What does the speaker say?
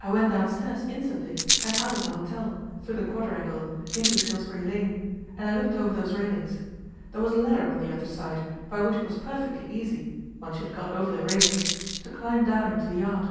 I went downstairs instantly, and out of the hotel, through the quadrangle, into Salisbury Lane, and I looked over those railings. There was a ladder on the other side, by which it was perfectly easy once you had got over the railings to climb down into the yard.